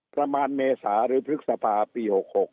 ประมาณเมษาหรือพฤษภาพปี๖๖